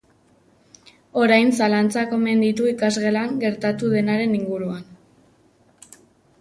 Orain zalantzak omen ditu ikasgelan gertatu denaren inguruan.